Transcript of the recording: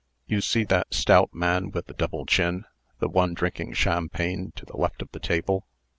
"You see that stout man with the double chin the one drinking champagne, to the left of the table?